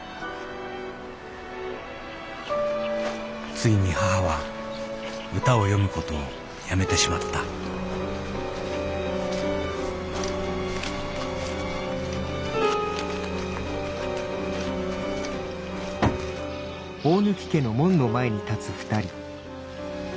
ついに母は歌を詠むことをやめてしまったかの子太郎。